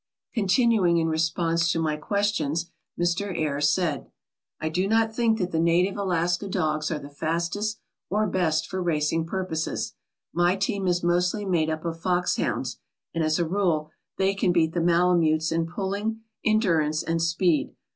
Continuing in response to my questions, Mr. Ayer said: "I do not think that the native Alaska dogs are the fastest or best for racing purposes. My team is mostly made up of fox hounds, and, as a rule, they can beat the malamutes in pulling, endurance, and speed.